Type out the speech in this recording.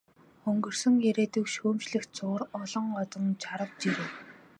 Өнгөрсөн ирээдүйг шүүмжлэх зуур олон одон жарав, жирэв.